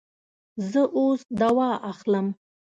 زه اوس دوا اخلم